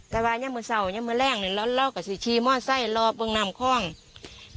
แต่วันนี้เมื่อไม่แรงเรารอกขิงฮ